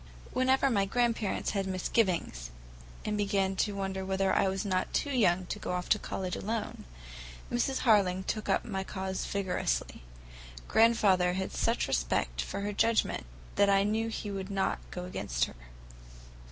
Whenever my grandparents had misgivings, and began to wonder whether I was not too young to go off to college alone, Mrs. Harling took up my cause vigorously. Grandfather had such respect for her judgment that I knew he would not go against her.